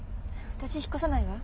私引っ越さないわ。